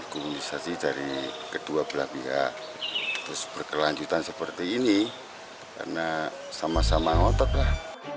komunikasi dari kedua belah pihak terus berkelanjutan seperti ini karena sama sama ngotot lah